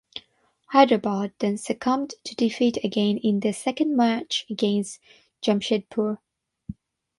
Hyderabad then succumbed to defeat again in their second match against Jamshedpur.